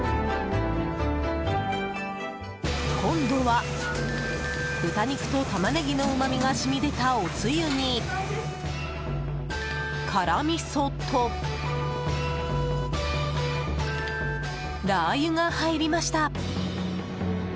今度は、豚肉とタマネギのうまみが染み出たおつゆに辛みそと、ラー油が入りました。